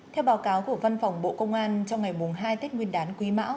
theo báo cáo của văn phòng bộ công an trong ngày hai tết nguyên đán quý mão